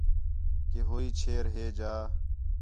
کہ ہوئی چھیر ہِے جا